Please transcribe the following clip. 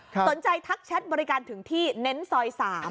สนใจทักแชทบริการถึงที่เน้นซอย๓